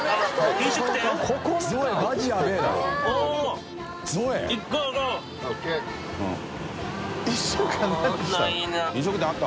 飲食店あった？